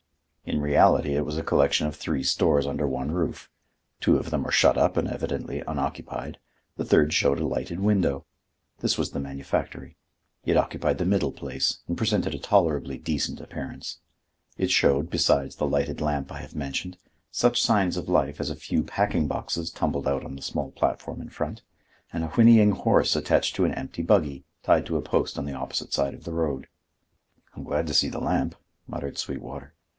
In reality it was a collection of three stores under one roof: two of them were shut up and evidently unoccupied, the third showed a lighted window. This was the manufactory. It occupied the middle place and presented a tolerably decent appearance. It showed, besides the lighted lamp I have mentioned, such signs of life as a few packing boxes tumbled out on the small platform in front, and a whinnying horse attached to an empty buggy, tied to a post on the opposite side of the road. "I'm glad to see the lamp," muttered Sweetwater.